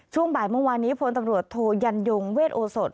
ช่วงบ่ายเมื่อวานนี้พลตำรวจโทยันยงเวทโอสด